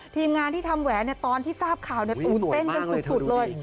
ทีมงานที่ทำแหวนตอนที่ทราบข่าวตื่นเต้นกันสุดเลย